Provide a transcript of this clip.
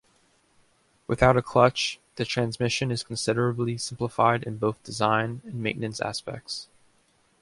Without a clutch, the transmission is considerably simplified in both design and maintenance aspects.